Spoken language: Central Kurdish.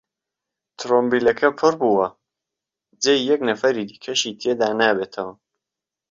تڕومبێلەکە پڕ بووە، جێی یەک نەفەری دیکەشی تێدا نابێتەوە.